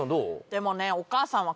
でもね